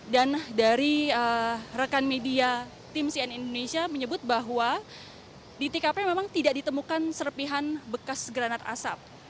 dan dari rekan media tim cn indonesia menyebut bahwa di tkp memang tidak ditemukan serpihan bekas granat asap